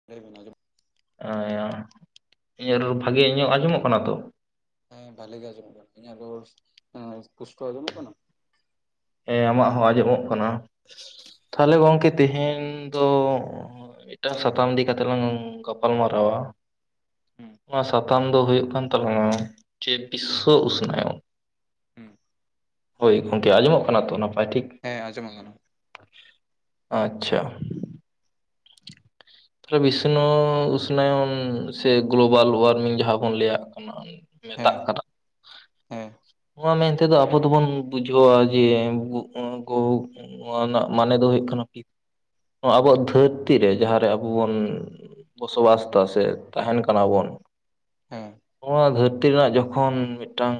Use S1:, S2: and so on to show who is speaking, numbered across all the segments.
S1: [unintelligible]
S2: ᱮᱸ ᱤᱧᱟᱜ ᱨᱚᱨ ᱵᱷᱟᱜᱮᱧ ᱟᱸᱡᱚᱢᱚᱜ ᱠᱟᱱᱟ ᱛᱚ?
S1: ᱦᱮᱸ ᱵᱷᱟᱞᱤ ᱜᱮ ᱟᱸᱡᱚᱢᱚᱜ ᱠᱟᱱᱟ, ᱤᱧᱟᱹᱜ ᱨᱚᱲ ᱮᱸ ᱯᱩᱥᱴᱟᱹᱣ ᱟᱸᱡᱚᱢᱚᱜ ᱠᱟᱱᱟ?
S2: ᱦᱮᱸ ᱟᱢᱟᱜ ᱦᱚᱸ ᱟᱸᱡᱚᱢᱚᱜ ᱠᱟᱱᱟ, ᱛᱷᱟᱞᱮ ᱜᱚᱝᱠᱮ
S1: ᱟᱪᱪᱷᱟ
S2: ᱛᱮᱦᱮᱧ ᱫᱚ ᱢᱤᱫᱴᱟᱝ ᱥᱟᱛᱟᱢ ᱤᱫᱤ ᱠᱟᱛᱮᱜ ᱞᱟᱝ ᱜᱟᱯᱟᱞ ᱢᱟᱨᱟᱣᱟ᱾
S1: ᱦᱩᱸ
S2: ᱚᱱᱟ ᱥᱟᱛᱟᱢ ᱫᱚ ᱦᱩᱭᱩᱜ ᱠᱟᱱ ᱛᱟᱞᱟᱝ ᱡᱮ ᱵᱤᱥᱥᱚ ᱩᱥᱱᱳᱣ᱾
S1: ᱦᱩᱸ ᱾
S2: ᱦᱳᱭ ᱜᱚᱝᱠᱮ ᱟᱸᱡᱚᱢᱚᱜ ᱠᱟᱱᱟ ᱛᱚ ᱱᱟᱯᱟᱭ ᱴᱷᱤᱠ?
S1: ᱦᱮᱸ ᱟᱸᱡᱚᱢ ᱟᱠᱟᱱᱟ ᱾
S2: ᱟᱪᱪᱷᱟ ᱾ ᱥᱮ ᱵᱤᱥᱱᱚ ᱩᱥᱱᱟᱭᱚᱱ ᱥᱮ ᱜᱞᱳᱵᱟᱞ ᱳᱣᱟᱨᱢᱤᱝ ᱡᱟᱦᱟᱸ ᱵᱚᱱ ᱞᱟᱹᱭᱟᱜ ᱠᱟᱱᱟ ᱾
S1: ᱦᱮᱸ
S2: ᱢᱮᱛᱟᱜ ᱠᱟᱱᱟ ᱾
S1: ᱦᱮᱸ ᱾
S2: ᱱᱚᱣᱟ ᱢᱮᱱᱛᱮᱫᱚ ᱟᱵᱚ ᱫᱚᱵᱚᱱ ᱵᱩᱡᱷᱟᱹᱣᱟ ᱡᱮ [unintelligible] ᱱᱚᱣᱟ ᱨᱮᱱᱟᱜ ᱢᱟᱱᱮ ᱫᱚ ᱦᱩᱭᱩᱜ ᱠᱟᱱᱟ ᱠᱤ ᱱᱚᱣᱟ ᱟᱵᱚᱣᱟᱜ ᱫᱷᱟᱹᱨᱛᱤ ᱨᱮ ᱡᱟᱦᱟᱸ ᱨᱮ ᱟᱵᱚ ᱵᱚᱱ ᱵᱚᱥᱚᱵᱟᱥ ᱫᱟ ᱥᱮ ᱛᱟᱦᱮᱱ ᱠᱟᱱᱟ ᱵᱚᱱ
S1: ᱦᱮᱸ ᱾
S2: ᱱᱚᱣᱟ ᱫᱷᱟᱹᱨᱛᱤ ᱨᱮᱱᱟᱜ ᱡᱚᱠᱷᱚᱱ ᱢᱤᱫᱴᱟᱝ‌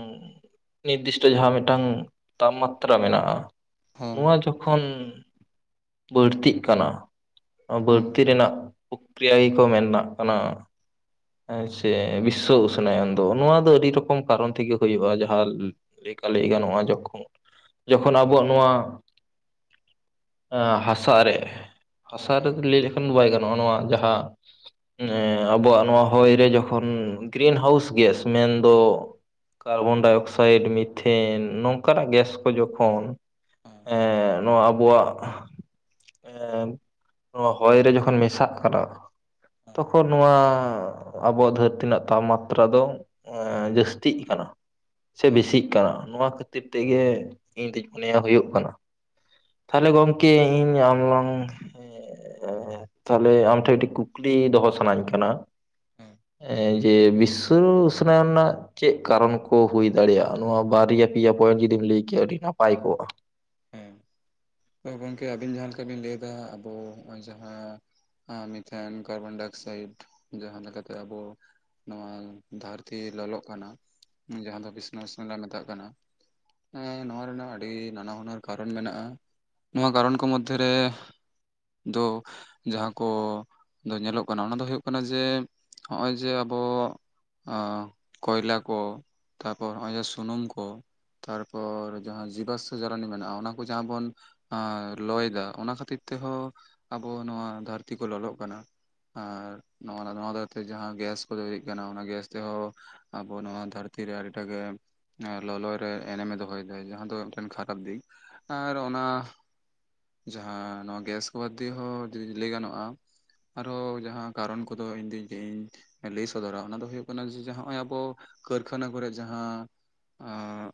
S2: ᱱᱤᱨᱫᱤᱥᱴᱚ ᱡᱟᱦᱟᱸ ᱢᱤᱫᱴᱟᱝ ᱛᱟᱯᱢᱟᱛᱛᱨᱟ ᱢᱮᱱᱟᱜᱼᱟ‌ ᱾
S1: ᱦᱮᱸ
S2: ᱱᱚᱣᱟ ᱡᱚᱠᱷᱚᱱ ᱵᱟᱹᱲᱛᱤᱜ ᱠᱟᱱᱟ
S1: ᱦᱩᱸ
S2: ᱵᱟᱹᱲᱛᱤ ᱨᱮᱱᱟᱜ ᱯᱚᱠᱨᱤᱭ ᱜᱮ ᱠᱚ ᱢᱮᱱᱱᱟᱜ ᱠᱟᱱᱟ ᱾ ᱥᱮ ᱵᱤᱥᱥᱚ ᱩᱥᱱᱟᱭᱚᱱ ᱫᱚ ᱱᱚᱣᱟ ᱫᱚ ᱟᱹᱰᱤ ᱨᱚᱠᱚᱢ ᱠᱟᱨᱚᱱ ᱛᱮᱜᱮ ᱦᱩᱭᱩᱜᱼᱟ ᱡᱟ ᱦᱟ ᱞᱮᱠᱟ ᱞᱟᱹᱭ ᱜᱟᱱᱚᱜᱼᱟ, ᱡᱚᱠᱷᱚᱱ ᱡᱚᱠᱷᱚᱱ ᱟᱵᱚᱣᱟᱜ ᱱᱚᱣᱟ ᱦᱟᱥᱟ ᱨᱮ ᱦᱟᱥᱟ
S1: ᱦᱮᱸ
S2: ᱨᱮᱫᱚ ᱞᱟᱹᱭ ᱞᱮᱠᱷᱟᱱ ᱫᱚ ᱵᱟᱭ ᱜᱟᱱᱚᱜᱼᱟ ᱱᱚᱣᱟ ᱡᱟᱦᱟᱸ ᱟᱵᱚᱣᱟᱜ ᱱᱚᱣᱟ ᱦᱚᱭ ᱨᱮ ᱡᱚᱠᱷᱚᱱ ᱜᱨᱤᱱ ᱦᱟᱣᱩᱥ ᱜᱮᱥ ᱢᱮᱱᱫᱚ ᱠᱟᱨᱵᱚᱱᱰᱟᱭᱚᱠᱥᱟᱭᱤᱰ, ᱢᱤᱛᱷᱮᱱ ᱱᱚᱝᱠᱟᱱᱟᱜ ᱜᱮᱥ ᱠᱚ ᱡᱚᱠᱷᱚᱱ
S1: ᱦᱮᱸ ᱦᱮᱸ
S2: ᱮᱸᱜ ᱱᱚᱣᱟ ᱟᱵᱚᱣᱟᱜ ᱮᱸ ᱱᱚᱣᱟ ᱦᱚᱭ ᱨᱮ ᱡᱚᱠᱷᱚᱱ ᱢᱮᱥᱟᱜ ᱠᱟᱱᱟ ᱛᱚᱠᱷᱚᱱ ᱱᱚᱣᱟ ᱟᱵᱚᱣᱟᱜ ᱫᱷᱟᱹᱨᱛᱤ ᱨᱮᱱᱟᱜ ᱛᱟᱯᱢᱟᱛᱛᱨᱟ ᱫᱚ ᱮᱸ ᱡᱟᱹᱥᱛᱤᱜ ᱠᱟᱱᱟ ᱾ ᱥᱮ
S1: ᱦᱮᱸ
S2: ᱵᱮᱥᱤᱜ ᱠᱟᱱᱟ ᱱᱚᱣᱟ ᱠᱷᱟᱹᱛᱤᱨ ᱛᱮᱜᱮ ᱤᱧ ᱫᱩᱧ ᱢᱚᱱᱮᱭᱟ ᱦᱩᱭᱩᱜ ᱠᱟᱱᱟ ᱾ ᱛᱟᱦᱚᱞᱮ ᱜᱚᱢᱠᱮ ᱤᱧ ᱟᱢ ᱞᱟᱝ ᱛᱟᱦᱞᱮ ᱟᱢ ᱴᱷᱮᱱ ᱢᱤᱫᱴᱤᱡ ᱠᱩᱠᱞᱤ ᱫᱚᱦᱚ ᱥᱟᱱᱟᱧ ᱠᱟᱱᱟ
S1: ᱦᱮᱸ
S2: ᱾ ᱮᱸ ᱡᱮ ᱵᱤᱥᱥᱚ ᱩᱥᱱᱟᱭᱚᱱ ᱨᱮᱱᱟᱜ ᱪᱮᱫ ᱠᱟᱨᱚᱱ ᱠᱚ ᱦᱩᱭ ᱫᱟᱲᱮᱭᱟᱜᱼᱟ ᱱᱚᱣᱟ ᱵᱟᱨᱭᱟ ᱯᱮᱭᱟ ᱯᱚᱭᱮᱱᱴ ᱡᱩᱫᱤᱢ ᱞᱟᱹᱭ ᱠᱮᱭᱟ ᱟᱹᱰᱤ ᱱᱟᱯᱟᱭ ᱠᱚᱜᱼᱟ?
S1: ᱦᱮᱸ
S2: [unintelligible]
S1: ᱛᱚ ᱜᱚᱝᱠᱮ ᱟᱹᱵᱤᱱ ᱡᱟᱦᱟᱸ ᱞᱮᱠᱟ ᱵᱤᱱ ᱞᱟᱹᱭᱮᱫᱟ ᱟᱵᱚ ᱦᱚᱜᱼᱚᱭ ᱡᱟᱦᱟᱸ ᱢᱤᱛᱷᱮᱱ, ᱠᱟᱨᱵᱚᱱᱰᱟᱭᱚᱠᱥᱟᱭᱤᱰ ᱡᱟᱦᱟᱸ ᱞᱮᱠᱟᱛᱮ ᱟᱵᱚ ᱱᱚᱣᱟ ᱫᱷᱟᱹᱨᱛᱤ ᱞᱚᱞᱚᱜ ᱠᱟᱱᱟ ᱡᱟᱦᱟᱸ ᱫᱚ ᱵᱤᱥᱥᱚ ᱩᱥᱱᱚᱣᱚᱱ ᱞᱮ ᱢᱮᱛᱟᱜ ᱠᱟᱱᱟ ᱾ ᱮᱸ ᱱᱚᱣᱟ ᱨᱮᱱᱟᱜ ᱟᱹᱰᱤ ᱱᱟᱱᱟᱦᱩᱱᱟᱹᱨ ᱠᱟᱨᱚᱱ ᱢᱮᱱᱟᱜᱼᱟ, ᱱᱚᱣᱟ ᱠᱟᱨᱚᱱ ᱠᱚ ᱢᱚᱫᱽᱫᱷᱮᱨᱮ ᱫᱚ ᱡᱟᱦᱟᱸ ᱠᱚ ᱫᱚ ᱧᱮᱞᱚᱜ ᱠᱟᱱᱟ ᱚᱱᱟ ᱫᱚ ᱦᱩᱭᱩᱜ ᱠᱟᱱᱟ ᱡᱮ ᱦᱚᱜᱼᱚᱭ ᱡᱮ ᱟᱵᱚ ᱠᱚᱭᱞᱟ ᱠᱚ, ᱛᱟᱯᱚᱨ ᱦᱚᱜᱼᱚᱭ ᱡᱮ ᱥᱩᱱᱩᱢ ᱠᱚ ᱛᱟᱨᱯᱚᱨ ᱡᱟᱦᱟᱸ ᱡᱤᱵᱟᱥᱥᱚ ᱡᱟᱞᱟᱱᱤ ᱢᱮᱱᱟᱜᱼᱟ ᱚᱱᱟ ᱠᱚ ᱡᱟᱦᱟᱸ ᱵᱚᱱ ᱞᱚᱭ ᱫᱟ ᱚᱱᱟ ᱠᱷᱟᱹᱛᱤᱨ ᱛᱮᱦᱚᱸ ᱟᱵᱚ ᱱᱚᱣᱟ ᱫᱷᱟᱹᱨᱛᱤ ᱠᱚ ᱞᱚᱞᱚᱜ ᱠᱟᱱᱟ ᱾ ᱟᱨ ᱱᱚᱜᱼᱚᱱᱟ ᱱᱚᱣᱟ ᱫᱟᱨᱟᱭᱛᱮ ᱡᱟᱦᱟᱸ ᱜᱮᱥ ᱠᱚ ᱛᱚᱭᱨᱤᱜ ᱠᱟᱱᱟ ᱚᱱᱟ ᱜᱮᱥ ᱛᱮᱦᱚᱸ ᱟᱵᱚ ᱱᱚᱣᱟ ᱫᱷᱟᱹᱨᱛᱤ ᱨᱮ ᱟᱹᱰᱤᱴᱟᱜ ᱜᱮ ᱞᱚᱞᱚᱭ ᱨᱮ ᱮᱱᱮᱢᱮ ᱫᱚᱦᱚᱭᱮᱫᱟ, ᱡᱟᱦᱟᱸ ᱫᱚ ᱢᱤᱫᱴᱮᱱ ᱠᱷᱟᱨᱟᱯ ᱫᱤᱠ ᱟᱨ ᱚᱱᱟ ᱡᱟᱦᱟᱸ ᱱᱚᱣᱟ ᱜᱮᱥ ᱠᱚ ᱵᱟᱫᱽ ᱫᱤᱭᱮ ᱦᱚᱸ ᱡᱩᱫᱤ ᱞᱟᱹᱭ ᱜᱟᱱᱚᱜᱼᱟ ᱟᱨᱚᱸ ᱡᱟᱦᱟᱸ ᱠᱟᱨᱚᱱ ᱠᱚᱫᱚ ᱤᱧᱫᱚᱧ ᱞᱟᱹᱭ ᱤᱧ ᱮᱸ ᱞᱟᱹᱭ ᱥᱚᱫᱚᱨᱟ ᱚᱱᱟ ᱫᱚ ᱦᱩᱭᱩᱜ ᱠᱟᱱᱟ ᱡᱮ ᱦᱚᱸᱜᱼᱚᱭ ᱟᱵᱚ ᱠᱟᱹᱨᱠᱷᱟᱱᱟ ᱠᱚᱨᱮ ᱡᱟᱦᱟᱸ ᱟᱸᱜ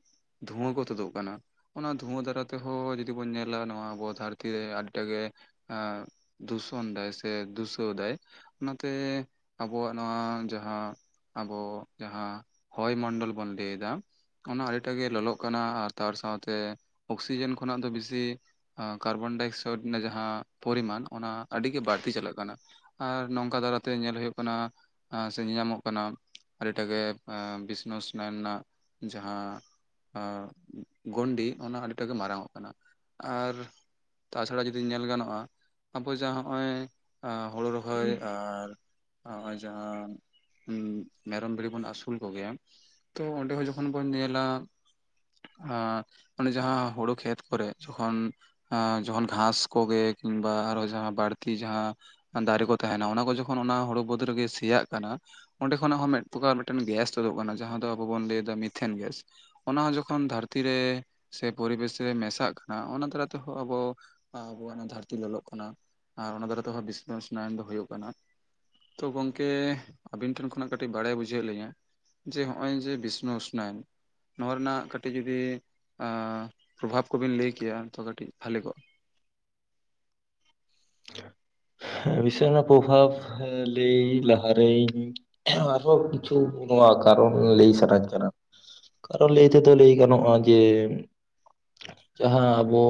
S1: ᱫᱷᱩᱣᱟᱹ ᱠᱚ ᱛᱩᱫᱚᱜ ᱠᱟᱱᱟ ᱚᱱᱟ ᱫᱚ ᱫᱷᱩᱣᱟᱹ ᱫᱟᱨᱟ ᱛᱮᱦᱚᱸ ᱡᱩᱫᱤ ᱵᱚᱱ ᱧᱮᱞᱟ ᱱᱚᱣᱟ ᱟᱵᱚ ᱫᱷᱟᱹᱨᱛᱤ ᱨᱮ ᱟᱹᱰᱤᱴᱟᱜ ᱜᱮ ᱮᱸ ᱫᱷᱩᱥᱚᱱ ᱫᱟᱭ ᱥᱮ ᱫᱩᱥᱟᱹᱣ ᱫᱟᱭ᱾ ᱚᱱᱟᱛᱮ ᱟᱵᱚᱣᱟᱜ ᱱᱚᱣᱟ ᱡᱟᱦᱟᱸ ᱟᱵᱚ ᱡᱟᱦᱟᱸ ᱦᱚᱭ ᱢᱚᱱᱰᱚᱞ ᱵᱚᱱ ᱞᱟᱹᱭᱫᱟ ᱚᱱᱟ ᱟᱹᱰᱤᱴᱟᱜ ᱜᱮ ᱞᱚᱞᱚᱜ ᱠᱟᱱᱟ ᱟᱨ ᱛᱟᱨ ᱥᱟᱶᱛᱮ ᱚᱠᱥᱤᱡᱮᱱ ᱠᱷᱚᱱᱟᱜ ᱫᱚ ᱵᱮᱥᱤ ᱟᱸ ᱠᱟᱨᱵᱚᱱᱰᱟᱭ ᱮᱠᱥᱚᱰ ᱱᱮ ᱡᱟᱦᱟᱸ ᱯᱚᱨᱤᱢᱟᱱ ᱚᱱᱟ ᱟᱹᱰᱤᱜᱮ ᱵᱟᱹᱲᱛᱤ ᱪᱟᱞᱟᱜ ᱠᱟᱱᱟ᱾ ᱟᱨ ᱱᱚᱝᱠᱟ ᱫᱟᱨᱟᱛᱮ ᱧᱮᱞ ᱦᱩᱭᱩᱜ ᱠᱟᱱᱟ ᱟᱸ ᱥᱮ ᱧᱮᱧᱟᱢᱚᱜ ᱠᱟᱱᱟ ᱟᱹᱰᱤᱴᱟᱜ ᱜᱮ ᱮᱸ ᱵᱤᱥᱱᱮᱥ ᱢᱮᱱ ᱱᱟᱜ ᱡᱟᱦᱟᱸ ᱟᱸ ᱜᱚᱱᱰᱤ ᱚᱱᱟ ᱟᱹᱰᱤᱴᱟᱜ ᱜᱮ ᱢᱟᱨᱟᱝᱚᱜ ᱠᱟᱱᱟ ᱟᱨ ᱛᱟᱪᱷᱟᱲᱟ ᱡᱩᱫᱤ ᱧᱮᱞ ᱜᱟᱱᱚᱜᱼᱟ ᱟᱵᱚ ᱡᱟ ᱦᱚᱸᱜᱼᱚᱭ ᱮᱸ ᱦᱳᱲᱳ ᱨᱚᱦᱚᱭ ᱟᱨ ᱱᱚᱜᱼᱚᱭ ᱡᱟᱦᱟᱸ ᱩᱸ ᱢᱮᱨᱚᱢ ᱵᱷᱤᱲᱤ ᱵᱚᱱ ᱟᱹᱥᱩᱞ ᱠᱚ ᱜᱮᱭᱟ ᱛᱚ ᱚᱸᱰᱮ ᱦᱚᱸ ᱡᱚᱠᱷᱚᱱ ᱵᱚᱱ ᱧᱮᱞᱟ ᱟᱸ ᱚᱱᱮ ᱡᱟᱦᱟᱸ ᱦᱩᱲᱩ ᱠᱷᱮᱛ ᱠᱚᱨᱮᱜ ᱡᱚᱠᱷᱚᱱ ᱮᱸ ᱡᱠᱷᱚᱱ ᱜᱷᱟᱸᱥ ᱠᱚᱜᱮ ᱠᱤᱝᱵᱟ ᱟᱨᱚ ᱡᱟᱦᱟᱸ ᱵᱟᱹᱲᱛᱤ ᱡᱟᱦᱟᱸ ᱫᱟᱨᱮ ᱠᱚ ᱛᱟᱦᱮᱱᱟ ᱚᱱᱟ ᱠᱚ ᱡᱚᱠᱷᱚᱱ ᱚᱱᱟ ᱦᱩᱲᱩ ᱵᱟᱹᱫᱽ ᱨᱮᱜᱮ ᱥᱮᱭᱟᱜ ᱠᱟᱱᱟ᱾ ᱚᱸᱰᱮ ᱠᱷᱚᱱᱟᱜ ᱦᱚᱸ ᱢᱤᱫ ᱯᱚᱠᱟᱨ ᱢᱤᱫᱴᱮᱱ ᱜᱮᱥ ᱛᱩᱫᱩᱜ ᱠᱟᱱᱟ ᱡᱟᱦᱟᱸ ᱫᱚ ᱟᱵᱚ ᱵᱚᱱ ᱞᱟᱹᱭᱟ ᱫᱚ ᱢᱤᱛᱷᱮᱱ ᱜᱮᱥ᱾ ᱚᱱᱟ ᱦᱚᱸ ᱡᱚᱠᱷᱚᱱ ᱫᱷᱟᱹᱨᱛᱤ ᱨᱮ ᱥᱮ ᱯᱚᱨᱤᱵᱮᱥ ᱨᱮ ᱢᱮᱥᱟᱜ ᱠᱟᱱᱟ ᱚᱱᱟ ᱫᱟᱨᱟᱭ ᱛᱮᱦᱚᱸ ᱟᱵᱚ ᱟᱵᱚᱣᱟᱜ ᱚᱱᱟ ᱫᱷᱟᱹᱨᱛᱤ ᱞᱚᱞᱚᱜ ᱠᱟᱱᱟ᱾ ᱟᱨ ᱚᱱᱟ ᱫᱟᱨᱮ ᱛᱮᱦᱚᱸ [unintelligible] ᱫᱚ ᱦᱩᱭᱩᱜ ᱠᱟᱱᱟ᱾ ᱛᱚ ᱜᱚᱝᱠᱮ ᱟᱹᱵᱤᱱ ᱴᱷᱮᱱ ᱠᱷᱚᱱᱟᱜ ᱠᱟᱹᱴᱤᱜ ᱵᱟᱲᱟᱭ ᱵᱩᱡᱷᱟᱹᱣ ᱞᱤᱧᱟ ᱡᱮ ᱦᱚᱸᱜᱼᱚᱭ ᱡᱮ ᱵᱤᱥᱱᱩ ᱩᱥᱱᱟᱭᱚᱱ ᱱᱚᱣᱟ ᱨᱮᱱᱟᱜ ᱠᱟᱹᱴᱤᱡ ᱡᱩᱫᱤ ᱮᱸ ᱯᱨᱚᱵᱷᱟᱵᱽ ᱠᱚᱵᱤᱱ ᱞᱟᱹᱭ ᱠᱮᱭᱟ ᱛᱚ ᱠᱟᱹᱴᱤᱡ ᱵᱷᱟᱞᱤ ᱠᱚᱜᱼᱟ᱾
S2: ᱦᱮᱸ [unintelligible] ᱯᱚᱵᱷᱟᱵᱽ ᱞᱟᱹᱭ ᱞᱟᱦᱟᱨᱮᱧ ᱟᱨᱦᱚᱸ ᱠᱤᱪᱷᱩ ᱱᱚᱣᱟ ᱠᱟᱨᱚᱱ ᱞᱟᱹᱭ ᱥᱟᱱᱟᱧ ᱠᱟᱱᱟ᱾ ᱠᱟᱨᱚᱱ ᱞᱟᱹᱭ ᱛᱮᱫᱚ ᱞᱟᱹᱭ ᱜᱟᱱᱚᱜᱼᱟ ᱡᱮ ᱡᱟᱦᱟᱸ ᱟᱵᱚ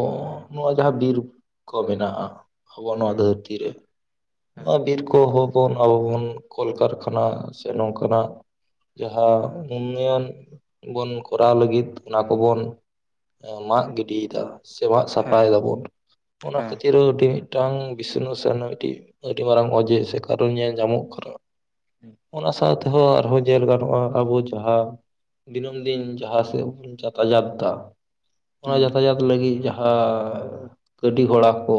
S2: ᱱᱚᱜᱼᱚ ᱡᱟᱦᱟᱸ ᱵᱤᱨ ᱠᱚ ᱢᱮᱱᱟᱜᱼᱟ᱾ ᱟᱵᱚᱣᱟᱜ ᱱᱚᱣᱟ
S1: ᱦᱩᱸ
S2: ᱫᱷᱟᱹᱨᱛᱤ ᱨᱮ
S1: ᱦᱮᱸ
S2: ᱱᱚᱣᱟ ᱵᱤᱨ ᱠᱚᱦᱚᱸ ᱵᱚᱱ ᱟᱵᱚ ᱵᱚᱱ ᱠᱚᱞᱠᱟᱨᱠᱷᱟᱱᱟ ᱥᱮ ᱱᱚᱝᱠᱟᱱᱟᱜ ᱡᱟᱦᱟᱸ ᱩᱱᱱᱚᱭᱚᱱ ᱵᱚᱱ ᱠᱚᱨᱟᱣ ᱞᱟᱹᱜᱤᱫ ᱚᱱᱟ ᱠᱚᱵᱚᱱ ᱮᱸ ᱢᱟᱜ ᱜᱤᱰᱤᱭᱫᱟ ᱥᱮ ᱢᱟᱜ ᱥᱟᱯᱟᱭ
S1: ᱦᱮᱸ
S2: ᱫᱟᱵᱚᱱ ᱚᱱᱟ
S1: ᱦᱮᱸ
S2: ᱠᱷᱟᱹᱛᱤᱨ ᱦᱚ ᱟᱹᱰᱤ ᱢᱤᱫᱴᱟᱝ [unintelligible] ᱱᱟᱜ ᱢᱤᱴᱮᱡ ᱟᱹᱰᱤ ᱢᱟᱨᱟᱝ ᱚᱡᱮ ᱥᱮ ᱠᱟᱨᱚᱱ ᱧᱮᱞ ᱧᱟᱢᱚᱜ ᱠᱟᱱᱟ᱾ ᱚᱱᱟ ᱥᱟᱶ ᱛᱮᱦᱚᱸ ᱟᱨᱦᱚᱸ ᱧᱮᱞ ᱜᱟᱱᱚᱜᱼᱟ ᱟᱵᱚ ᱡᱟᱦᱟᱸ ᱫᱤᱱᱟᱹᱢ ᱫᱤᱱ ᱡᱟᱦᱟᱸ ᱥᱮᱜ ᱵᱚᱱ ᱪᱟᱛᱟᱡᱟᱛᱫᱟ ᱚᱱᱟ
S1: ᱦᱩᱸ
S2: ᱡᱟᱛᱟᱭᱟᱛ ᱞᱟᱹᱜᱤᱜ ᱡᱟᱦᱟᱸ ᱜᱟᱹᱰᱤ ᱜᱷᱚᱲᱟ ᱠᱚ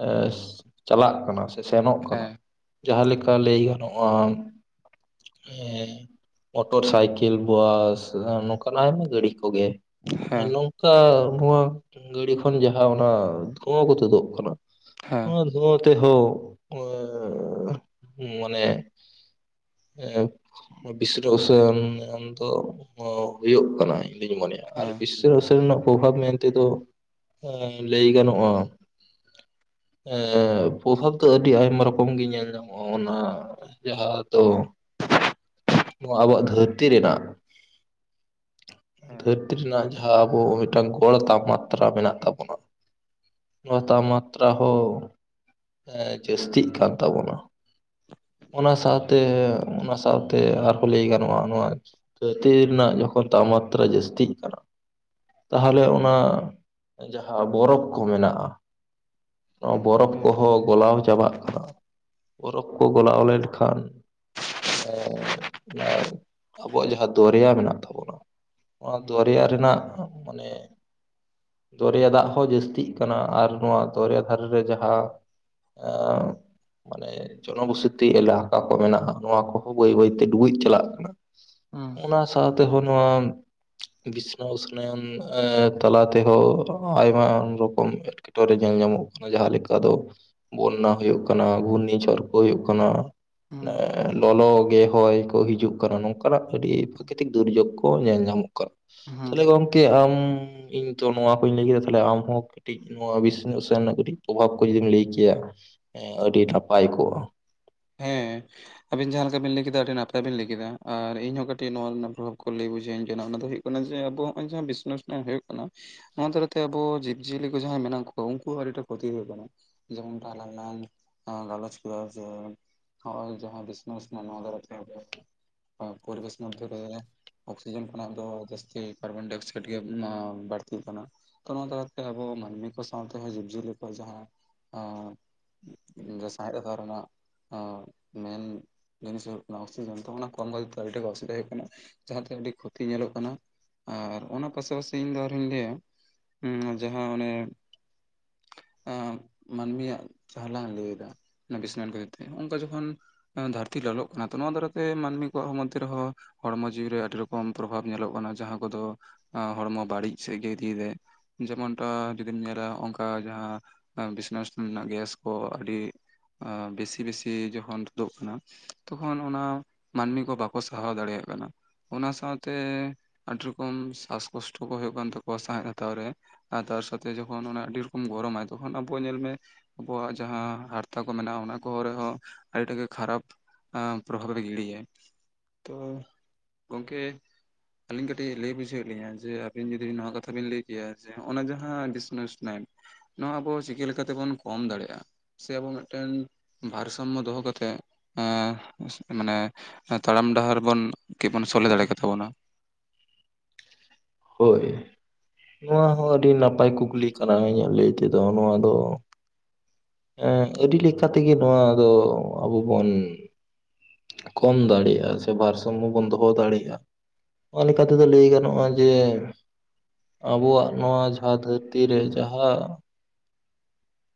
S2: ᱮᱸ ᱪᱟᱞᱟᱜ ᱠᱟᱱᱟ ᱥᱮ ᱥᱮᱱᱚᱜ ᱠᱟᱱᱟ
S1: ᱦᱮᱸ
S2: ᱡᱟᱦᱟᱸ ᱞᱮᱠᱟ ᱞᱟᱹᱭ ᱜᱟᱱᱚᱜᱼᱟ ᱮᱸ ᱢᱚᱴᱚᱨ ᱥᱟᱭᱠᱮᱞ ᱵᱟᱥ ᱮᱸ ᱱᱚᱝᱠᱟᱱᱟᱜ ᱟᱭᱢᱟ ᱜᱟᱹᱲᱤ ᱠᱚᱜᱮ᱾
S1: ᱦᱮᱸ ᱦᱮᱸ
S2: ᱱᱚᱝᱠᱟ ᱱᱚᱣᱟ ᱜᱟᱹᱲᱤ ᱠᱷᱚᱱ ᱡᱟᱦᱟᱸ ᱚᱱᱟ ᱫᱷᱩᱣᱟᱹ ᱠᱚ ᱛᱩᱫᱩᱜ ᱠᱟᱱᱟ᱾
S1: ᱦᱮᱸ
S2: ᱱᱚᱣᱟ ᱫᱷᱩᱣᱟᱹ ᱛᱮᱦᱚ ᱮᱸ ᱢᱟᱱᱮ ᱮᱸᱯ [unintelligible] ᱢᱮᱱᱫᱚ ᱦᱩᱭᱩᱜ ᱠᱟᱱᱟ ᱤᱧ ᱫᱚᱧ ᱢᱚᱱᱮᱭᱟ᱾ ᱟᱨ
S1: ᱦᱮᱸ
S2: [unintelligible] ᱱᱟᱜ ᱯᱚᱵᱷᱟᱵ ᱢᱮᱱᱛᱮ ᱫᱚ ᱮᱸ ᱞᱟᱹᱭ ᱜᱟᱱᱚᱜᱼᱟ ᱮᱸ ᱯᱚᱵᱷᱟᱵᱽ ᱫᱚ ᱟᱹᱰᱤ ᱟᱭᱢᱟ ᱨᱚᱠᱚᱢ ᱜᱮ ᱧᱮᱞ ᱧᱟᱢᱚᱜᱼᱟ ᱚᱱᱟ ᱡᱟᱦᱟᱸ ᱫᱚ ᱱᱚᱣᱟ ᱟᱵᱚᱣᱟᱜ ᱫᱷᱟᱹᱨᱛᱤ ᱨᱮᱱᱟᱜ
S1: ᱦᱮᱸ
S2: ᱫᱷᱟᱹᱨᱛᱤ ᱨᱮᱱᱟᱜ ᱡᱟᱦᱟᱸ ᱟᱵᱚ ‌ ᱢᱤᱫᱴᱟᱝ ᱜᱚᱲ ᱛᱟᱯᱢᱟᱛᱛᱨᱟ ᱢᱮᱱᱟᱜ ᱛᱟᱵᱚᱱᱟ, ᱱᱚᱣᱟ ᱛᱟᱯᱢᱟᱛ ᱛᱨᱟ ᱦᱚᱸ ᱡᱟᱹᱥᱛᱤᱜ ᱠᱟᱱ ᱛᱟᱵᱚᱱᱟ ᱾ ᱚᱱᱟ ᱥᱟᱶᱛᱮ ᱚᱱᱟ ᱥᱟᱶᱛᱮ ᱟᱨᱦᱚᱸ ᱞᱟᱹᱭ ᱜᱟᱱᱚᱜᱼᱟ ᱱᱚᱣᱟ ᱪᱷᱟᱹᱛᱤ ᱨᱮᱱᱟᱜ ᱡᱚᱠᱷᱚᱱ ᱛᱟᱯᱢᱟᱛᱛᱨᱟ ᱡᱟᱹᱥᱛᱤᱜ ᱠᱟᱱᱟ ᱛᱟᱦᱚᱞᱮ ᱚᱱᱟ ᱡᱟᱦᱟᱸ ᱵᱚᱨᱚᱯ ᱠᱚ ᱢᱮᱱᱟᱜᱼᱟ ᱾ ᱱᱚᱣᱟ ᱵᱚᱨᱚᱯᱷ
S1: ᱦᱮᱸ
S2: ᱠᱚᱦᱚᱸ ᱜᱚᱞᱟᱣ ᱪᱟᱵᱟᱜ ᱠᱟᱱᱟ, ᱵᱚᱨᱚᱯᱷ ᱠᱚ ᱜᱚᱞᱟᱣ ᱞᱮᱱᱠᱷᱟᱱ ᱮᱸ ᱚᱱᱟ ᱟᱵᱚᱣᱟᱜ ᱡᱟᱦᱟᱸ ᱫᱚᱨᱭᱟ ᱢᱮᱱᱟᱜ ᱛᱟᱵᱚᱱᱟ ᱚᱱᱟ ᱫᱚᱨᱭᱟ ᱨᱮᱱᱟᱜ ᱢᱟᱱᱮ ᱫᱚᱨᱭᱟ ᱫᱟᱜ ᱦᱚᱸ ᱡᱟᱹᱥᱛᱤᱜ ᱠᱟᱱᱟ, ᱟᱨ ᱱᱚᱣᱟ ᱫᱚᱨᱭᱟ ᱫᱷᱟᱨᱮ ᱨᱮ ᱡᱟᱦᱟᱸ ᱮᱸᱻ ᱢᱟᱱᱮ ᱡᱚᱱᱚ ᱵᱚᱥᱚᱛᱤ ᱮᱞᱟᱠᱟ ᱠᱚ ᱢᱮᱱᱟᱜᱼᱟ ᱱᱚᱣᱟ ᱠᱚᱦᱚᱸ ᱵᱟᱹᱭ ᱵᱟᱹᱭ ᱛᱮ ᱰᱩᱵᱩᱡ ᱪᱟᱞᱟᱜ ᱠᱟᱱᱟ ᱾ ᱚᱱᱟ ᱥᱟᱶ ᱛᱮᱦᱚᱸ ᱱᱚᱣᱟ ᱵᱤᱥᱱᱚ ᱩᱥᱱᱟᱚᱱ ᱛᱟᱞᱟ ᱛᱮᱦᱚᱸ ᱟᱭᱢᱟ ᱨᱚᱠᱚᱢ ᱮᱴᱠᱮᱴᱚᱬᱮ ᱧᱮᱞ ᱧᱟᱢᱚᱜ ᱠᱟᱱᱟ ᱡᱟᱦᱟᱸ ᱞᱮᱠᱟ ᱫᱚ ᱵᱚᱱᱱᱟ ᱦᱩᱭᱩᱜ ᱠᱟᱱᱟ, ᱜᱷᱩᱨᱱᱤ ᱡᱷᱚᱨ ᱠᱚ ᱦᱩᱭᱩᱜ ᱠᱟᱱᱟ
S1: ᱦᱮᱸ
S2: ᱾ ᱞᱚᱞᱚ ᱜᱮ ᱦᱚᱭ ᱠᱚ ᱦᱤᱡᱩᱜ ᱠᱟᱱᱟ ᱱᱚᱝᱠᱟᱱᱟᱜ ᱟᱹᱰᱤ ᱯᱨᱟᱠᱨᱤᱛᱤᱠ ᱫᱩᱨᱡᱳᱜᱽᱜᱳ ᱠᱚ ᱧᱮᱞ ᱧᱟᱢᱚᱜ ᱠᱟᱱᱟ,
S1: ᱦᱮᱸ
S2: ᱛᱟᱦᱚᱞᱮ ᱜᱚᱝ ᱜᱚᱝᱠᱮ ᱟᱢ ᱤᱧ ᱛᱚ ᱱᱚᱣᱟ ᱠᱚᱧ ᱞᱟᱹᱭ ᱠᱮᱫᱟ ᱛᱟᱦᱚᱞᱮ ᱟᱢᱦᱚᱸ ᱠᱟᱹᱴᱤᱡ ᱱᱚᱣᱟ ᱵᱤᱥ ᱛᱱᱟᱹᱜ ᱥᱮ ᱨᱮᱱᱟᱜ ᱠᱟᱹᱴᱤᱡ ᱯᱨᱚᱵᱷᱟᱵ ᱠᱚ ᱡᱩᱫᱤᱢ ᱞᱟᱹᱭ ᱠᱮᱭᱟ ᱟᱹᱰᱤ ᱱᱟᱯᱟᱭ ᱠᱚᱜᱼᱟ ᱾
S1: ᱦᱮᱸ ᱾ ᱟᱵᱤᱱ ᱡᱟᱦᱟᱸ ᱞᱮᱠᱟ ᱵᱤᱱ ᱞᱟᱹᱭ ᱠᱮᱫᱟ ᱟᱹᱰᱤ ᱱᱟᱯᱟᱭ ᱵᱤᱱ ᱞᱟᱹᱭ ᱠᱮᱫᱟ, ᱟᱨ ᱤᱧ ᱦᱚᱸ ᱠᱟᱹᱴᱤᱡ ᱱᱚᱣᱟ ᱨᱮᱱᱟᱜ ᱯᱨᱚᱵᱷᱟᱵᱽ ᱠᱚ ᱞᱟᱹᱭ ᱵᱩᱡᱷᱟᱹᱣ ᱤᱧ ᱠᱟᱱᱟ ᱚᱱᱟ ᱫᱚ ᱦᱩᱭᱩᱜ ᱠᱟᱱᱟ ᱡᱮ ᱟᱵᱚ ᱱᱚᱜ-ᱚᱭ ᱡᱟᱦᱟᱸ ᱵᱤᱥᱥᱚ ᱩᱥᱱᱚᱣᱚᱱ ᱦᱩᱭᱩᱜ ᱠᱟᱱᱟ ᱱᱚᱣᱟ ᱫᱟᱨᱟᱭ ᱛᱮ ᱟᱵᱚ ᱡᱤᱵᱽ ᱡᱤᱭᱟᱹᱞᱤ ᱠᱚ ᱡᱟᱦᱟᱸᱭ ᱢᱮᱱᱟᱜ ᱠᱚᱣᱟ ᱩᱱᱠᱩ ᱦᱚᱸ ᱟᱹᱰᱤ ᱴᱟᱜ ᱠᱷᱚᱛᱤ ᱦᱳᱭᱳᱜ ᱠᱟᱱᱟ ᱾ ᱡᱮᱢᱚᱱ ᱟᱞᱟᱝ ᱞᱟᱝ ᱜᱟᱞᱚᱪ ᱠᱮᱫᱟ ᱡᱮ ᱦᱚᱜ-ᱚᱭ ᱡᱟᱦᱟᱸ ᱵᱤᱥᱥᱚ ᱩᱥᱱᱚᱭᱚᱱ ᱱᱚᱣᱟ ᱫᱟᱨᱟᱭ ᱛᱮᱜᱮ ᱯᱚᱨᱤᱵᱮᱥ ᱢᱚᱫᱽᱫᱷᱮ ᱨᱮ ᱚᱠᱥᱤᱡᱮᱱ ᱠᱷᱚᱱᱟᱜ ᱫᱚ ᱡᱟᱹᱥᱛᱤ ᱠᱟᱨᱵᱚᱱᱰᱟᱭ ᱚᱠᱥᱟᱭᱤᱰ ᱜᱮ ᱮᱸ ᱵᱟᱹᱲᱛᱤᱜ ᱠᱟᱱᱟ ᱾ ᱛᱚ ᱚᱱᱟ ᱛᱟᱞᱟ ᱛᱮ ᱟᱵᱚ ᱢᱟᱹᱱᱢᱤ ᱠᱚ ᱥᱟᱶᱛᱮ ᱦᱚᱸ ᱡᱤᱵᱽ ᱡᱤᱭᱟᱹᱞᱤ ᱠᱚᱣᱟᱜ ᱡᱟᱦᱟᱸ ᱮᱸ ᱡᱮ ᱥᱟᱸᱦᱮᱫ ᱦᱟᱛᱚᱣ ᱨᱮᱱᱟᱜ ᱟᱸ ᱢᱮᱱ ᱡᱤᱱᱤᱥ ᱦᱩᱭᱩᱜ ᱠᱟᱱᱟ ᱚᱠᱥᱤᱡᱮᱱ, ᱛᱚ ᱚᱱᱟ ᱠᱚᱢ ᱠᱷᱛᱤᱨ ᱛᱮ ᱟᱹᱰᱤ ᱴᱟᱜ ᱚᱥᱩᱵᱤᱫᱟ ᱦᱩᱭᱩᱜ ᱠᱟᱱᱟ ᱡᱟᱦᱟᱸ ᱛᱮ ᱟᱹᱰᱤ ᱠᱷᱚᱛᱤ ᱧᱮᱞᱚᱜ ᱠᱟᱱᱟ ᱾ ᱟᱨ ᱚᱱᱟ ᱯᱟᱥᱟᱯᱟᱥᱤ ᱤᱧ ᱫᱚ ᱟᱨᱦᱚᱧ ᱞᱟᱹᱭᱟ ᱡᱟᱦᱟᱸ ᱚᱱᱮ ᱢᱟᱹᱱᱢᱤᱭᱟᱜ ᱡᱟᱦᱟᱸ ᱞᱟᱝ ᱞᱟᱹᱭᱫᱟ ᱚᱱᱟ ᱵᱤᱥᱱᱚᱭᱚᱱ ᱠᱷᱛᱤᱨ ᱛᱮ ᱱᱚᱜ-ᱚᱱᱠᱟ ᱡᱚᱠᱷᱚᱱ ᱫᱷᱟᱹᱨᱛᱤ ᱞᱚᱞᱚᱜ ᱠᱟᱱᱟ ᱛᱚ ᱱᱚᱣᱟ ᱫᱟᱨᱟᱭ ᱛᱮ ᱢᱟᱹᱱᱢᱤ ᱠᱚᱣᱟᱜ ᱢᱚᱫᱽᱫᱷᱮ ᱨᱮᱦᱚᱸ ᱦᱚᱲᱢᱚ ᱡᱤᱣᱤ ᱨᱮ ᱟᱹᱰᱤ ᱨᱚᱠᱚᱢ ᱯᱨᱚᱵᱷᱟᱵᱽ ᱧᱮᱞᱚᱜ ᱠᱟᱱᱟ ᱡᱟᱦᱟᱸ ᱠᱚᱫᱚ ᱦᱚᱲᱢᱚ ᱵᱟᱹᱲᱤᱡ ᱥᱮᱫ ᱜᱮ ᱤᱫᱤᱭᱮᱫᱟᱭ ᱾ ᱡᱮᱢᱚᱱ ᱴᱟ ᱡᱩᱫᱤᱢ ᱧᱮᱞᱟ ᱚᱱᱠᱟ ᱡᱟᱦᱟᱸ ᱵᱤᱥᱱᱚ ᱩᱥᱱᱚᱣᱚᱱ ᱨᱮᱱᱟᱜ ᱜᱮᱥ ᱠᱚ ᱟᱹᱰᱤ ᱟᱸ ᱵᱮᱥᱤ ᱵᱮᱥᱤ ᱡᱚᱠᱷᱚᱱ ᱛᱩᱫᱚᱜ ᱠᱟᱱᱟ ᱛᱚᱠᱷᱚᱱ ᱚᱱᱟ ᱢᱟᱹᱱᱢᱤ ᱠᱚ ᱵᱟᱠᱚ ᱥᱟᱦᱟᱣ ᱫᱟᱲᱮᱭᱟᱜ ᱠᱟᱱᱟ ᱾ ᱚᱱᱟ ᱥᱟᱶᱛᱮ ᱟᱹᱰᱤ ᱨᱚᱠᱚᱢ ᱥᱟᱥ ᱠᱚᱥᱴᱚ ᱠᱚ ᱦᱩᱭᱩᱜ ᱠᱟᱱ ᱛᱟᱠᱚᱣᱟ ᱥᱟᱦᱮᱸᱫ ᱦᱟᱛᱟᱣ ᱨᱮ ᱾ ᱟᱨ ᱛᱟᱨ ᱥᱟᱛᱮ ᱡᱚᱠᱷᱚᱱ ᱟᱹᱰᱤ ᱨᱚᱠᱚᱢ ᱜᱚᱨᱚᱢ ᱟᱭ ᱛᱚᱠᱷᱚᱱ ᱟᱵᱚ ᱧᱮᱞ ᱢᱮ ᱟᱵᱚᱣᱟᱜ ᱡᱟᱦᱟᱸ ᱦᱟᱨᱛᱟ ᱠᱚ ᱢᱮᱱᱟᱜᱼᱟ ᱚᱱᱟ ᱠᱚ ᱨᱮ ᱦᱚᱸ ᱟᱹᱰᱤ ᱴᱟ ᱜᱮ ᱠᱷᱟᱨᱟᱯ ᱮᱸ ᱯᱨᱚᱵᱷᱟᱵ ᱨᱮ ᱜᱤᱲᱤᱭᱟᱭ ᱾ ᱛᱚ ᱜᱚᱢᱠᱮ ᱟᱹᱞᱤᱧ ᱠᱟᱹᱴᱤᱡ ᱞᱟᱹᱭ ᱵᱩᱡᱷᱟᱹᱣᱮᱫ ᱞᱤᱧᱟᱹ ᱡᱮ ᱟᱹᱵᱤᱱ ᱡᱩᱫᱤ ᱱᱚᱣᱟ ᱠᱟᱛᱷᱟ ᱵᱤᱱ ᱞᱟᱹᱭ ᱠᱮᱭᱟ ᱡᱮ ᱦᱚᱜ-ᱚᱱᱟ ᱡᱟᱦᱟᱸ ᱵᱤᱥᱱᱚ ᱩᱥᱱᱚᱣᱚᱱ ᱱᱚᱣᱟ ᱟᱵᱚ ᱪᱤᱠᱟᱹ ᱞᱮᱠᱟᱛᱮᱵᱚᱱ ᱠᱚᱢ ᱫᱟᱲᱮᱜᱼᱟ? ᱥᱮ ᱟᱵᱚ ᱢᱮᱫᱴᱮᱱ ᱵᱷᱟᱨᱥᱟᱢᱢᱚ ᱫᱚᱦᱚ ᱠᱟᱛᱮᱫ ᱮᱸ ᱢᱟᱱᱮ ᱛᱟᱲᱟᱢ ᱰᱟᱦᱟᱨ ᱵᱚᱱ ᱠᱮᱵᱚᱱ ᱥᱚᱞᱦᱮ ᱫᱟᱲᱮ ᱠᱮᱛᱟᱵᱚᱱᱟ ᱾
S2: ᱦᱳᱭ ᱱᱚᱣᱟ ᱦᱚᱸ ᱟᱹᱰᱤ ᱱᱟᱯᱟᱭ ᱠᱩᱠᱞᱤ ᱠᱟᱱᱟ ᱤᱧᱟᱹᱜ ᱞᱟᱹᱭ ᱛᱮᱫᱚ ᱱᱚᱣᱟ ᱫᱚ᱾ ᱮᱸ ᱟᱹᱰᱤ ᱞᱮᱠᱟ ᱛᱮᱜᱮ ᱱᱚᱣᱟ ᱫᱚ ᱟᱵᱚ ᱵᱚᱱ ᱠᱚᱢ ᱫᱟᱲᱮᱭᱟᱜᱼᱟ ᱥᱮ ᱵᱷᱟᱨ ᱥᱟᱢᱢᱚ ᱵᱚᱱ ᱫᱚᱦᱚ ᱫᱟᱲᱮᱭᱟᱜᱼᱟ ᱚᱱᱟ ᱞᱮᱠᱟ ᱛᱮᱫᱚ ᱞᱟᱹᱭ ᱜᱟᱱᱚᱜᱼᱟ ᱡᱮ ᱟᱵᱚᱣᱟᱜ ᱱᱚᱣᱟ ᱡᱟᱦᱟᱸ ᱫᱷᱟᱹᱨᱛᱤ ᱨᱮ ᱡᱟᱦᱟᱸ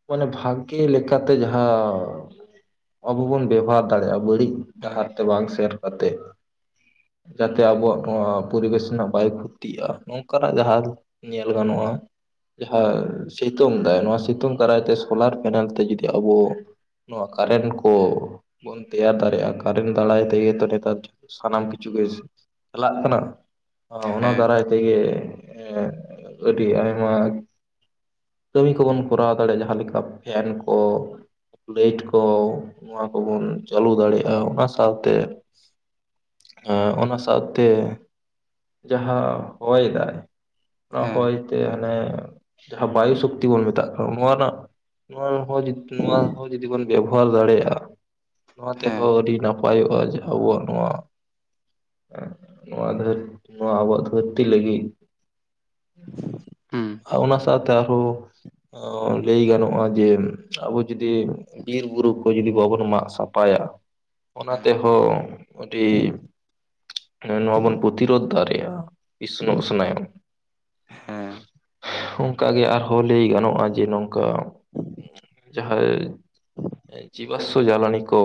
S2: ᱢᱟᱱᱮ ᱵᱷᱟᱜᱮ ᱞᱮᱠᱟᱛᱮ ᱡᱟᱦᱟᱸ ᱟᱵᱚ ᱵᱚᱱ ᱵᱮᱵᱚᱦᱟᱨ ᱫᱟᱲᱮᱭᱟᱜᱼᱟ᱾ ᱵᱟᱹᱲᱤᱡ
S1: ᱦᱮᱸ
S2: ᱰᱟᱦᱟᱨ ᱛᱮ ᱵᱟᱝ ᱥᱮᱨ ᱠᱟᱛᱮᱫ᱾ ᱡᱟᱛᱮ ᱟᱵᱚᱣᱟᱜ ᱱᱚᱣᱟ ᱯᱚᱨᱤᱵᱮᱥ ᱨᱮᱱᱟᱜ ᱵᱟᱭ ᱠᱷᱚᱛᱤᱜᱼᱟ ᱱᱚᱝ ᱠᱟᱱᱟᱜ ᱡᱟᱦᱟᱸ ᱧᱮᱞ ᱜᱟᱱᱚᱜᱼᱟ, ᱡᱟᱦᱟᱸ ᱥᱤᱛᱩᱝ ᱫᱟᱭ ᱱᱚᱣᱟ ᱥᱤᱛᱩᱝ ᱫᱟᱨᱟᱭ ᱛᱮ ᱥᱳᱞᱟᱨ ᱯᱮᱱᱮᱞ ᱛᱮ ᱡᱩᱫᱤ ᱟᱵᱚ ᱱᱚᱣᱟ ᱠᱟᱨᱮᱱ ᱠᱚ ᱵᱚᱱ ᱛᱮᱭᱟᱨ ᱫᱟᱲᱮᱭᱟᱜᱼᱟ ᱠᱟᱨᱮᱱ ᱫᱟᱨᱟᱭ ᱛᱮᱜᱮ ᱛᱚ ᱱᱮᱛᱟᱨ ᱥᱟᱱᱟᱢ ᱠᱤᱪᱷᱩ ᱜᱮ ᱪᱟᱞᱟᱜ ᱠᱟᱱᱟ ᱚᱱᱟ
S1: ᱦᱮᱸ
S2: ᱫᱟᱨᱟᱭ ᱛᱮᱜᱮ ᱟᱹᱰᱤ ᱟᱭᱢᱟ ᱠᱟᱹᱢᱤ ᱠᱚᱵᱚᱱ ᱠᱚᱨᱟᱣ [unintelligible] ᱡᱟᱦᱟᱸ ᱞᱮᱠᱟ ᱯᱷᱮᱱ ᱠᱚ, ᱞᱟᱹᱭᱤᱴ ᱠᱚ, ᱱᱚᱣᱟ ᱠᱚᱵᱚᱱ ᱪᱟᱹᱞᱩ ᱫᱟᱲᱮᱭᱟᱜᱼᱟ᱾ ᱚᱱᱟ ᱥᱟᱶᱛᱮ ᱦᱮᱸ ᱚᱱᱟ ᱥᱟᱶᱛᱮ, ᱡᱟᱦᱟᱸ ᱦᱚᱭ ᱫᱟᱭ ᱚᱱᱟ ᱦᱚᱭ
S1: ᱦᱮᱸ
S2: ᱛᱮ ᱦᱟᱱᱮ ᱡᱟᱦᱟᱸ ᱵᱟᱭᱩ ᱥᱚᱠᱛᱤ ᱵᱚᱱ ᱢᱮᱛᱟᱜ ᱠᱟᱱᱟ᱾ ᱱᱚᱣᱟ ᱨᱮᱱᱟᱜ ᱱᱚᱣᱟ ᱦᱚᱸ [unintelligible] ᱱᱚᱣᱟ ᱦᱚᱸ ᱡᱩᱫᱤ ᱵᱚᱱ ᱵᱮᱵᱚᱦᱟᱨ ᱫᱟᱲᱮᱭᱟᱜᱼᱟ᱾ ᱱᱚᱣᱟ
S1: ᱦᱮᱸ
S2: ᱛᱮᱦᱚᱸ ᱟᱹᱰᱤ ᱱᱟᱯᱟᱭᱚᱜᱼᱟ ᱡᱟᱷᱟ ᱟᱵᱚᱣᱟᱜ ᱱᱚᱣᱟ ᱱᱚᱣᱟ ᱫᱦᱟᱹᱨ ᱱᱚᱣᱟ ᱟᱵᱚᱣᱟᱜ ᱫᱷᱟᱹᱨᱛᱤ ᱞᱟᱹᱜᱤᱫ᱾ [inaudible]
S1: ᱦᱩᱸ
S2: ᱟᱨ ᱚᱱᱟ ᱥᱟᱶᱛᱮ ᱟᱨᱦᱚᱸ ᱚᱻ ᱞᱟᱹᱭ ᱜᱟᱱᱚᱜᱼᱟ ᱡᱮ ᱟᱵᱚ ᱡᱩᱫᱤ ᱵᱤᱨ ᱵᱩᱨᱩ ᱠᱚ ᱡᱩᱫᱤ ᱵᱟᱵᱚᱱ ᱢᱟᱜ ᱥᱟᱯᱷᱟᱭᱟ᱾ ᱚᱱᱟ
S1: ᱦᱮᱸ
S2: ᱛᱮᱦᱚᱸ ᱟᱹᱰᱤ ᱱᱚᱣᱟ ᱵᱚᱱ ᱯᱨᱚᱛᱤᱨᱳᱫᱷ ᱫᱟᱲᱮᱭᱟᱜᱼᱟ᱾ ᱤᱥᱱᱚᱜ ᱥᱱᱟᱭ
S1: ᱦᱮᱸ
S2: ᱚᱱᱠᱟ ᱟᱨᱦᱚᱸ ᱞᱟᱹᱭ ᱜᱟᱱᱚᱜ -ᱟ ᱡᱮ ᱱᱚᱝᱠᱟ ᱡᱟᱦᱟᱸᱭ ᱡᱤᱵᱟᱥᱥᱚ ᱡᱟᱞᱟᱱᱤ ᱠᱚ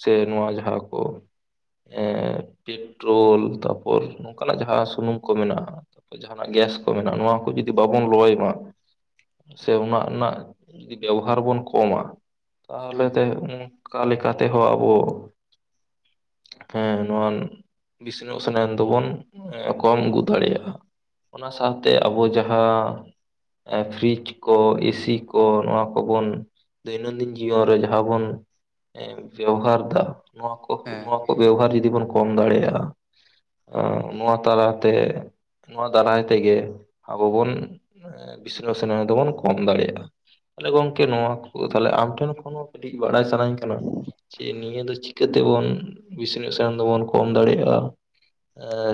S2: ᱥᱮ ᱱᱚᱣᱟ ᱡᱟᱦᱟᱸ ᱠᱚ ᱮᱻ ᱯᱮᱴᱨᱳᱞ ᱛᱟᱨᱯᱚᱨ ᱱᱚᱝᱠᱟᱱᱟᱜ ᱡᱟᱦᱟᱸ ᱥᱩᱱᱩᱢ ᱠᱚ ᱢᱮᱱᱟᱜᱼᱟ᱾ ᱡᱟᱦᱟᱱᱟᱜ ᱜᱮᱥ ᱠᱚ ᱢᱮᱱᱟᱜᱼᱟ ᱱᱚᱣᱟ ᱠᱚ ᱡᱩᱫᱤ ᱵᱟᱵᱚᱱ ᱞᱚᱭ ᱢᱟ᱾ ᱥᱮ ᱚᱱᱟ ᱨᱮᱱᱟᱜ ᱡᱩᱫᱤ ᱵᱮᱣᱦᱟᱨ ᱵᱚᱱ ᱠᱚᱢᱟ ᱛᱟᱦᱚᱞᱮ ᱛᱮ ᱚᱠᱟ ᱞᱮᱠᱟ ᱛᱮᱦᱚᱸ ᱟᱵᱚ, ᱦᱮᱸ ᱱᱚᱣᱟᱱ ᱵᱤᱥᱱᱟᱹᱣ ᱥᱟᱱᱟᱧ ᱫᱚᱵᱚᱱ ᱠᱚᱢ ᱟᱹᱜᱩ ᱫᱟᱲᱮᱭᱟᱜᱼᱟ᱾ ᱚᱱᱟ ᱥᱟᱶᱛᱮ ᱟᱵᱚ ᱡᱟᱦᱟᱸ ᱯᱷᱨᱤᱡᱽ᱾ ᱠᱚ ᱮᱥᱤ ᱠᱚ ᱱᱚᱣᱟ ᱠᱚᱵᱚᱱ ᱫᱳᱭᱱᱤᱠ ᱡᱤᱭᱚᱱ ᱨᱮ ᱡᱟᱦᱟᱸ ᱵᱚᱱ᱾ ᱵᱮᱣᱦᱟᱨ ᱫᱟ ᱱᱚᱣᱟ ᱠᱚ
S1: ᱦᱮᱸ
S2: ᱱᱚᱣᱟ ᱠᱚ ᱵᱮᱣᱦᱟᱨ ᱡᱩᱫᱤ ᱵᱚᱱ ᱠᱚᱢ ᱫᱟᱲᱮᱭᱟᱜᱼᱟ᱾
S1: ᱦᱩᱸ
S2: ᱱᱚᱣᱟ ᱛᱟᱞᱟᱛᱮ ᱱᱚᱣᱟ ᱫᱟᱨᱟᱭ ᱛᱮᱜᱮ ᱟᱵᱚ ᱵᱚᱱ ᱵᱤᱥᱱᱳᱥᱚᱱᱟ ᱫᱚᱵᱚᱱ ᱠᱚᱢ ᱫᱟᱲᱮᱭᱟᱜᱼᱟ᱾ ᱛᱟᱦᱞᱮ
S1: ᱦᱮᱸ
S2: ᱜᱚᱝᱠᱮ ᱱᱚᱣᱟ ᱠᱚ ᱛᱟᱦᱚᱞᱮ ᱟᱢ ᱴᱷᱮᱱ ᱠᱷᱚᱱ ᱦᱚᱸ ᱠᱟᱹᱴᱤᱡ ᱵᱟᱲᱟᱭ ᱥᱟᱱᱟᱧ ᱠᱟᱱᱟ᱾ ᱪᱮ ᱱᱤᱭᱟᱹ ᱫᱚ ᱪᱤᱠᱟᱹᱛᱮᱵᱚᱱ ᱵᱮᱥ-ᱧᱚᱜ-ᱥᱮᱱ ᱫᱚᱵᱚᱱ ᱠᱚᱢ ᱫᱟᱲᱮᱭᱟᱜᱼᱟ᱾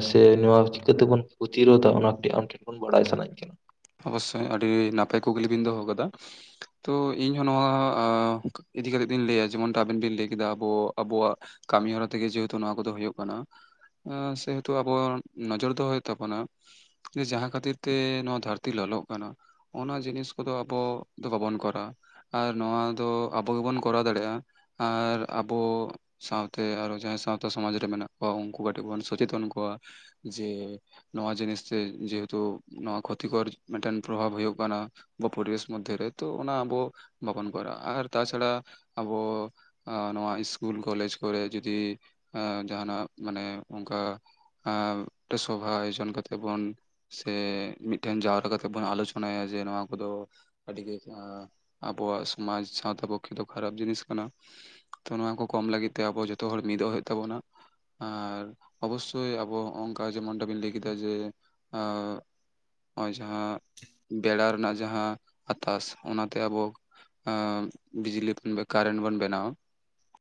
S2: ᱥᱮ ᱱᱚᱣᱟ ᱪᱤᱠᱟᱹᱛᱮᱵᱩᱱ ᱯᱨᱚᱛᱤᱨᱳᱫᱟ ᱚᱱᱟ ᱠᱟᱹᱴᱤᱜ ᱟᱢ ᱴᱷᱮᱱ ᱠᱷᱚᱱ ᱵᱟᱲᱟᱭ ᱥᱟᱱᱟᱧ ᱠᱟᱱᱟ᱾
S1: ᱚᱵᱚᱥᱥᱳᱭ ᱟᱹᱰᱤ ᱱᱟᱯᱟᱭ ᱠᱩᱠᱞᱤ ᱵᱤᱱ ᱫᱚᱦᱚ ᱟᱠᱟᱫᱟ᱾ ᱛᱚ ᱤᱧ ᱦᱚᱸ ᱱᱚᱣᱟ ᱤᱫᱤ ᱠᱟᱛᱮ ᱛᱤᱧ ᱞᱟᱹᱭᱟ ᱡᱮᱢᱚᱱ ᱟᱵᱮᱱ ᱵᱤᱱ ᱞᱟᱹᱭ ᱠᱮᱫᱟ ᱟᱵᱚ ᱟᱵᱚᱣᱟᱜ᱾ ᱠᱟᱹᱢᱤ ᱦᱚᱨᱟ ᱛᱮᱜᱮ ᱡᱮᱦᱮᱛᱩ ᱱᱚᱣᱟ ᱠᱚᱫᱚ ᱦᱩᱭᱩᱜ ᱠᱟᱱᱟ᱾ ᱮᱸ ᱥᱮᱦᱮᱛᱩ ᱟᱵᱚᱭᱟᱜ ᱱᱚᱡᱚᱨ ᱫᱚᱦᱚ ᱦᱩᱭᱩᱜ ᱛᱟᱵᱚᱱᱟ, ᱡᱮ ᱡᱟᱦᱟᱸ ᱠᱷᱟᱹᱛᱤᱨ ᱛᱮ ᱱᱚᱣᱟ ᱫᱷᱟᱹᱨ ᱛᱤ ᱞᱟᱞᱚᱜ ᱠᱟᱱᱟ ᱚᱱᱟ ᱡᱤᱱᱤᱥ ᱠᱚᱫᱚ ᱟᱵᱚ ᱫᱚ ᱵᱟᱵᱚᱱ ᱠᱚᱨᱟᱣᱟ᱾ ᱟᱨ ᱱᱚᱣᱟ ᱫᱚ ᱟᱵᱚ ᱜᱮᱵᱚᱱ ᱠᱚᱨᱟᱣ ᱫᱟᱲᱮᱜᱼᱟ, ᱟᱨ ᱟᱵᱚ ᱥᱟᱶᱛᱮ ᱟᱨᱚ ᱡᱟᱦᱟᱸᱭ ᱥᱟᱶᱛᱟ ᱥᱚᱢᱟᱡᱽ ᱨᱮ ᱢᱮᱱᱟᱜ ᱠᱚᱣᱟ ᱩᱱᱠᱩ ᱠᱟᱹᱴᱤᱡ ᱵᱚᱱ ᱥᱚᱪᱮᱛᱚᱱ ᱠᱚᱣᱟ᱾ ᱡᱮ ᱱᱚᱣᱟ ᱡᱤᱱᱤᱥ ᱛᱮ ᱡᱮᱦᱮᱛᱩ ᱱᱚᱣᱟ ᱠᱷᱚᱛᱤᱠᱚᱨ ᱢᱤᱫᱴᱮᱱ ᱯᱨᱚᱵᱷᱟᱵᱽ ᱦᱩᱭᱩᱜ ᱠᱟᱱᱟ᱾ ᱟᱵᱚᱣᱟᱜ ᱯᱚᱨᱤᱵᱮᱥ ᱢᱚᱫᱽᱫᱷᱮ ᱨᱮ, ᱛᱚ ᱚᱱᱟ ᱟᱵᱚ ᱵᱟᱵᱚᱱ ᱠᱚᱨᱟᱣᱟ ᱟᱨ ᱛᱟᱪᱷᱟᱲᱟ ᱟᱵᱚ ᱟ ᱱᱚᱣᱟ ᱤᱥᱠᱩᱞ ᱠᱚᱞᱮᱡᱽ ᱠᱚᱨᱮ ᱡᱩᱫᱤ ᱮᱸ ᱡᱟᱦᱟᱱᱟᱜ ᱢᱟᱱᱮ ᱚᱱᱠᱟ ᱮᱸ ᱢᱮᱫᱴᱮᱱ ᱥᱚᱵᱷᱟ ᱟᱭᱳᱡᱚᱱ ᱠᱟᱛᱮ ᱵᱚᱱ ᱥᱮ ᱢᱤᱫᱴᱷᱮᱱ ᱡᱟᱣᱨᱟ ᱠᱟᱛᱮ ᱛᱮᱵᱚᱱ ᱟᱞᱳᱪᱚᱱᱟᱭᱟ ᱡᱮ ᱱᱚᱣᱟ ᱠᱚᱫᱚ ᱟᱹᱰᱤᱜᱮ ᱡᱟᱦᱟᱸ ᱟᱵᱚᱣᱟᱜ ᱥᱚᱢᱟᱡᱽ ᱥᱟᱶᱛᱟ ᱯᱚᱠᱠᱷᱮ ᱫᱚ ᱠᱷᱟᱨᱟᱯ ᱡᱤᱱᱤᱥ ᱠᱟᱱᱟ᱾ ᱛᱚ ᱱᱚᱣᱟ ᱠᱚ ᱠᱚᱢ ᱞᱟᱹᱜᱤᱫ ᱛᱮ ᱟᱵᱚ ᱡᱷᱚᱛᱚ ᱦᱚᱲ ᱢᱤᱫᱚᱜ ᱦᱩᱭᱩᱜ ᱛᱟᱵᱚᱱᱟ᱾ ᱟᱨ ᱚᱵᱚᱥᱥᱳᱭ ᱟᱵᱚ ᱚᱱᱠᱟ ᱡᱮᱢᱚᱱ ᱚᱸᱰᱮ ᱵᱤᱱ ᱞᱟᱹᱭ ᱠᱮᱫᱟ ᱡᱮ ᱮᱸ ᱦᱚᱸᱜᱼᱚᱭ ᱡᱟᱦᱟᱸ ᱵᱮᱲᱟ ᱨᱮᱱᱟᱜ ᱡᱟᱦᱟᱸ ᱟᱛᱟᱥ, ᱚᱱᱟᱛᱮ ᱟᱵᱚ ᱮᱸ ᱵᱤᱡᱽᱞᱤᱛ ᱠᱤᱱᱵᱟ ᱠᱟᱨᱮᱱᱴ ᱵᱮᱱᱟᱣᱟ,